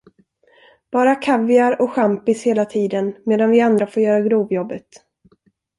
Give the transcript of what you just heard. Bara kaviar och champis hela tiden, medan vi andra får göra grovjobbet.